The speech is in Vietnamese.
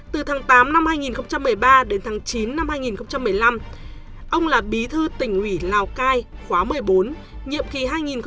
từ tháng tám năm hai nghìn một mươi ba đến tháng chín năm hai nghìn một mươi năm ông là bí thư tỉnh ủy lào cai khóa một mươi bốn nhiệm kỳ hai nghìn một mươi năm hai nghìn hai mươi